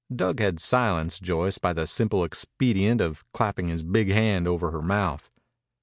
Dug had silenced Joyce by the simple expedient of clapping his big hand over her mouth.